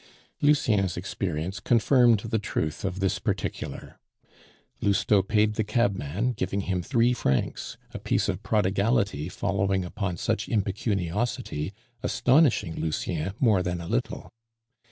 Lucien's experience confirmed the truth of this particular. Lousteau paid the cabman, giving him three francs a piece of prodigality following upon such impecuniosity astonishing Lucien more than a little.